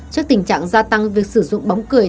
trước tình trạng gia tăng việc sử dụng bóng cười